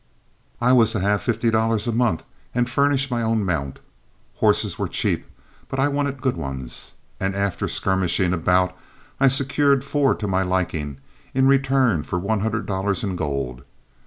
I was to have fifty dollars a month and furnish my own mount. Horses were cheap, but I wanted good ones, and after skirmishing about I secured four to my liking in return for one hundred dollars in gold.